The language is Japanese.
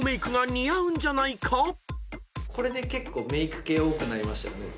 「これで結構メイク系多くなりましたよね」